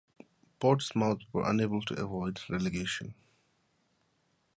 Portsmouth were unable to avoid relegation.